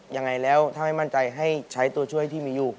ยังไงแล้วถ้าไม่มั่นใจให้ใช้ตัวช่วยที่มีอยู่